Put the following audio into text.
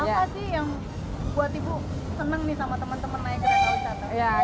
apa sih yang buat ibu seneng nih sama teman teman naik kereta wisata